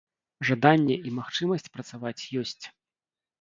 Жаданне і магчымасць працаваць ёсць.